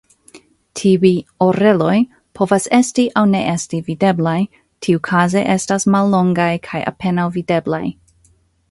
Tiuj "oreloj" povas esti aŭ ne esti videblaj, tiukaze estas mallongaj kaj apenaŭ videblaj.